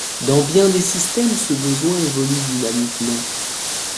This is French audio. Dans bien des systèmes, ce besoin évolue dynamiquement.